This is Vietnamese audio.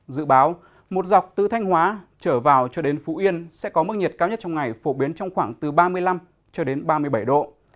dự báo một dọc từ thanh hóa trở vào cho đến phú yên sẽ có mức nhiệt cao nhất trong ngày phổ biến trong khoảng từ ba mươi năm cho đến ba mươi bảy độ